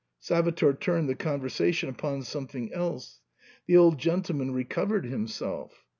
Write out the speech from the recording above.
Salvator turned the conversation upon something else ; the old gentleman recovered himself.